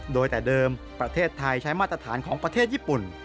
โดยแต่เดิมประเทศไทยใช้มาตรฐานของประเทศญี่ปุ่น